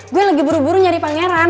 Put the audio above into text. gue lagi buru buru nyari pangeran